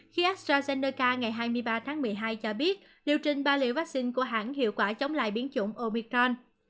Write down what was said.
khi astrazeneca ngày hai mươi ba tháng một mươi hai cho biết liệu trình ba liều vaccine của hãng hiệu quả chống lại biến chủng omicron